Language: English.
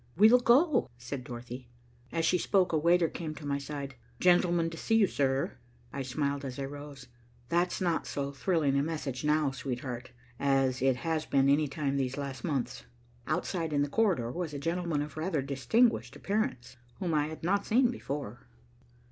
"We'll go," said Dorothy. As she spoke, a waiter came to my side. "Gentleman to see you, sir." I smiled as I rose. "That's not so thrilling a message now, sweetheart, as it has been any time these last months." Outside in the corridor was a gentleman of rather distinguished appearance, whom I had not seen before.